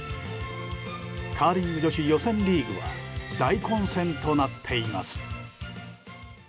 カーリング女子予選リーグは大混戦となっています。